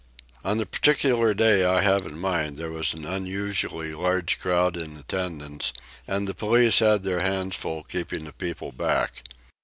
On the particular day I have in mind there was an unusually large crowd in attendance, and the police had their hands full keeping the people back.